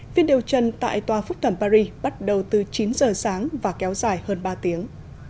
phiên điều trần tại tòa phúc thẩm paris bắt đầu từ chín giờ sáng và kéo dài hơn ba tiếng